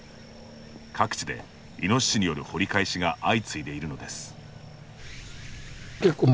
各地で、イノシシによる掘り返しが相次いでいるのです。